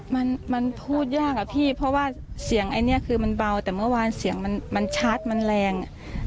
มันมันพูดยากอะพี่เพราะว่าเสียงอันนี้คือมันเบาแต่เมื่อวานเสียงมันมันชัดมันแรงอ่ะ